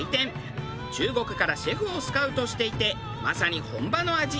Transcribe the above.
中国からシェフをスカウトしていてまさに本場の味